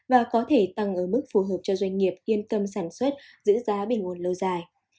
và có thể tăng ở mức phù hợp cho doanh nghiệp yên tâm sản xuất giữ giá bình nguồn lâu dài